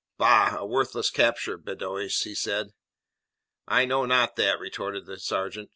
"Bah, a worthless capture, Beddoes," he said. "I know not that," retorted the sergeant.